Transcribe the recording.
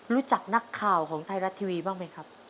รู้จักนักข่าวของไทยรัฐทีวีบ้างไหมครับ